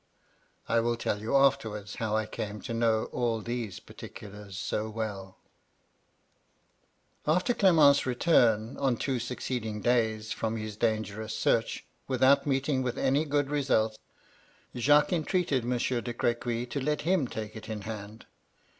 (I will tell you afterwards how I came to know all these particulars so well) 140 MY LADY LUDLOW. " After Clement's return, on two succeeding days, from his dangerous search, without meeting with any good result, Jacques entreated Monsieur de Crequy to let him take it in hand.